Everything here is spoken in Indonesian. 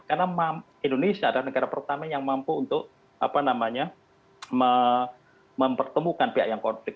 karena indonesia adalah negara pertama yang mampu untuk mempertemukan pihak yang konflik